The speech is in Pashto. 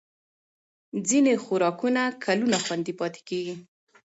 ځینې خوراکونه کلونه خوندي پاتې کېږي.